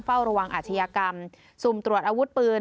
เฝ้าระวังอาชญากรรมสุ่มตรวจอาวุธปืน